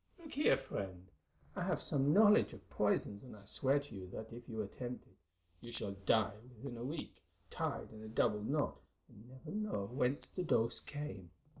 "Look here, friend, I have some knowledge of poisons, and I swear to you that if you attempt it, you shall die within a week, tied in a double knot, and never know whence the dose came.